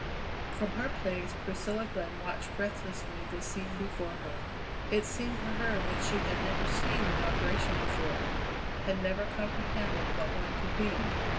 From her place Priscilla Glenn watched breathlessly the scene before her. It seemed to her that she had never seen an operation before; had never comprehended what one could be.